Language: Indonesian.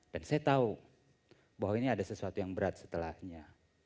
dan saya tahu bahwa ini ada sesuatu yang berat setelahnya